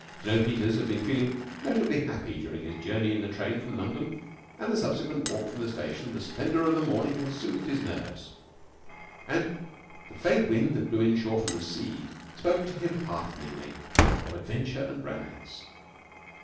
Jno. Peters had been feeling notably happy during his journey in the train from London, and the subsequent walk from the station. The splendor of the morning had soothed his nerves, and the faint wind that blew inshore from the sea spoke to him hearteningly of adventure and romance.